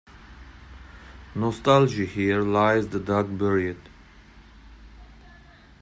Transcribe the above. Nostalgia Here lies the dog buried.